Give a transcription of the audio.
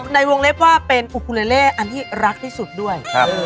ในวงเล็บว่าเป็นโอคูเลเลอันที่รักที่สุดด้วย